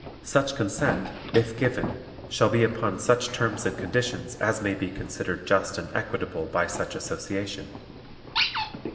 Such consent, if given, shall be upon such terms and conditions as may be considered just and equitable by such Association.